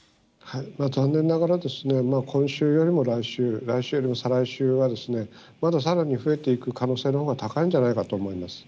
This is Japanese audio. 残念ながらですね、今週よりも来週、来週よりも再来週は、まださらに増えていく可能性のほうが高いんじゃないかと思います。